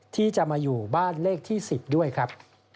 ที่จะมาอยู่บ้านเลขที่๑๐ด้วยครับ